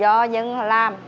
do dân họ làm